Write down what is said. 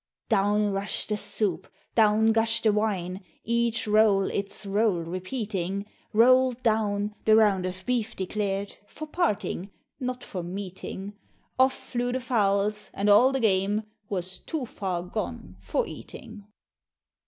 Down rush'd the soup, down gush'd the wine, Each roll, its rôle repeating, Roll'd down the round of beef declar'd For parting not for meating! Off flew the fowls, and all the game Was "too far gone for eating!"